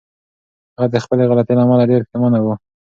هغه د خپلې غلطۍ له امله ډېره پښېمانه وه.